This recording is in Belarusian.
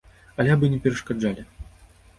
Але абы не перашкаджалі.